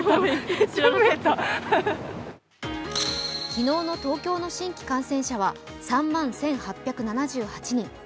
昨日の東京の新規感染者は３万１８７８人。